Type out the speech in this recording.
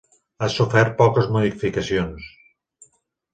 Ha sofert poques modificacions.